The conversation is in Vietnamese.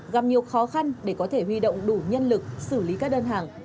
gặp nhiều khó khăn để có thể huy động đủ nhân lực xử lý các đơn hàng